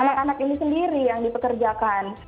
anak anak ini sendiri yang dipekerjakan